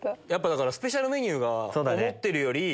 だからスペシャルメニューが思ってるより。